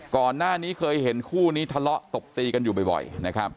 ก่อนหน้านี้เคยเห็นคู่นี้ทะเลาะตบตีกันอยู่บ่อยนะครับ